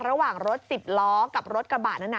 ระหว่างรถ๑๐ล้อกับรถกระบะนั้น